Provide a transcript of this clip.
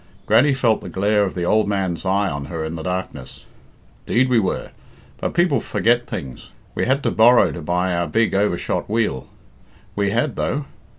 Grannie felt the glare of the old man's eye on her in the darkness. "'Deed, we were; but people forget things. We had to borrow to buy our big overshot wheel; we had, though.